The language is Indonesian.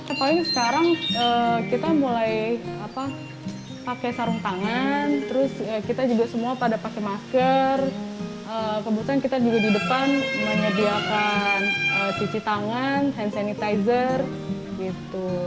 apalagi sekarang kita mulai pakai sarung tangan terus kita juga semua pada pakai masker kebutuhan kita juga di depan menyediakan cuci tangan hand sanitizer gitu